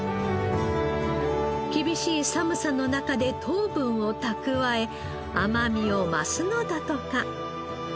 厳しい寒さの中で糖分を蓄え甘みを増すのだとか。